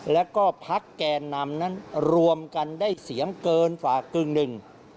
แล้วก็พักแกนนำนั้นรวมกันได้เสียงเกินฝากกึ่งหนึ่ง